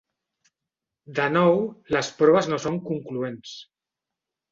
De nou, les proves no són concloents.